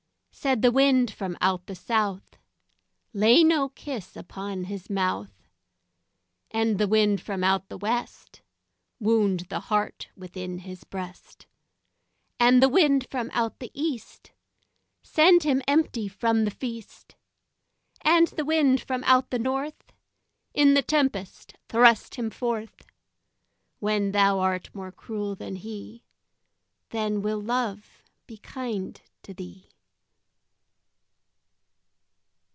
Said the wind from out the south, "Lay no kiss upon his mouth," And the wind from out the west, "Wound the heart within his breast," And the wind from out the east, "Send him empty from the feast," And the wind from out the north, "In the tempest thrust him forth; When thou art more cruel than he, Then will Love be kind to thee."